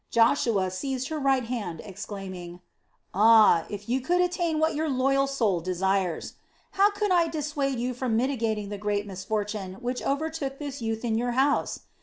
Joshua seized her right hand, exclaiming: "Ah, if you could attain what your loyal soul desires! How could I dissuade you from mitigating the great misfortune which overtook this youth in your house?